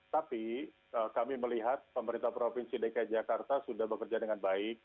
tapi kami melihat pemerintah provinsi dki jakarta sudah bekerja dengan baik